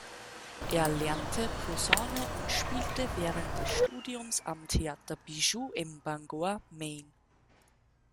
Er lernte Posaune und spielte während des Studiums am Theater "Bijou" in Bangor, Maine.